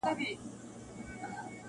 خو د سپي د ژوند موده وه پوره سوې-